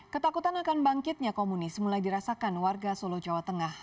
ketakutan akan bangkitnya komunis mulai dirasakan warga solo jawa tengah